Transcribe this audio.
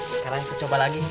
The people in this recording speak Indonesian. sekarang aku coba lagi